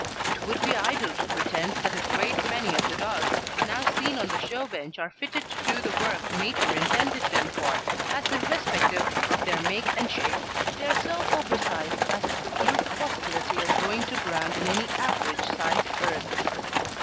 It would be idle to pretend that a great many of the dogs now seen on the show bench are fitted to do the work Nature intended them for, as irrespective of their make and shape they are so oversized as to preclude the possibility of going to ground in any average sized earth.